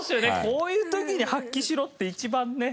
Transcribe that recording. こういう時に発揮しろって一番ね。